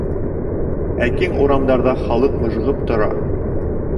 Ә киң урамдарҙа халыҡ мыжғып тора.